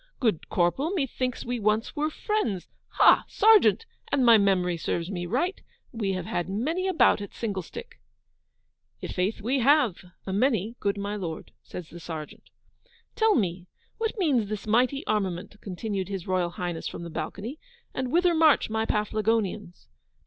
Good Corporal, methinks we once were friends. Ha, Sergeant, an' my memory serves me right, we have had many a bout at singlestick.' 'I' faith, we have, a many, good my Lord,' says the Sergeant. 'Tell me, what means this mighty armament,' continued His Royal Highness from the balcony, 'and whither march my Paflagonians?